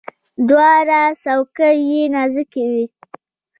دواړه څوکي یې نازکې وي.